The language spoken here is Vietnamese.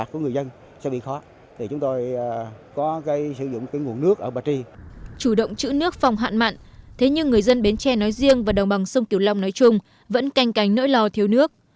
chủ động chữ nước phòng hạn mặn thế nhưng người dân bến tre nói riêng và đồng bằng sông kiều long nói chung vẫn canh cánh nỗi lo thiếu nước